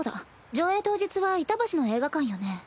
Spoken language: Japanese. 上映当日は板橋の映画館よね？